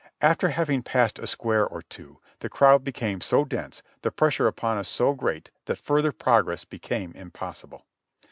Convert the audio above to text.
After having passed a square or two, the crowd became so dense, the pressure upon us so great that fur ther progress became impossible.